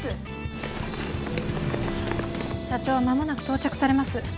社長は間もなく到着されます。